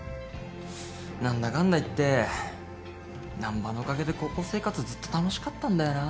何だかんだいって難破のおかげで高校生活ずっと楽しかったんだよな。